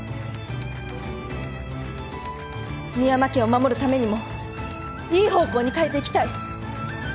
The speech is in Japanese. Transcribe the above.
深山家を守るためにもいい方向に変えていきたい。